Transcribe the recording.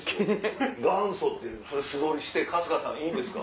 元祖それ素通りして春日さんいいんですか？